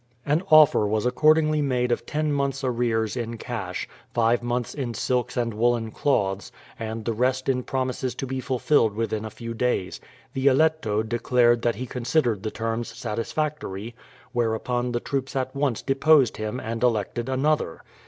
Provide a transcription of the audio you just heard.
An offer was accordingly made of ten months' arrears in cash, five months in silks and woolen cloths, and the rest in promises to be fulfilled within a few days. The Eletto declared that he considered the terms satisfactory, whereupon the troops at once deposed him and elected another.